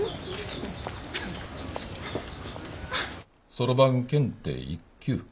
そろばん検定１級。